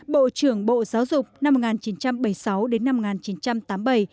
bộ trưởng bộ giáo dục năm một nghìn chín trăm bảy mươi sáu đến năm một nghìn chín trăm tám mươi bảy